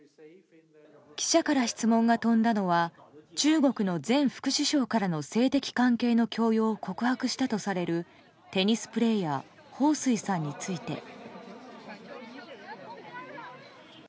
記者から質問が飛んだのは中国の前副首相からの性的関係の強要を告白したとされるテニスプレーヤーホウ・スイさんについて。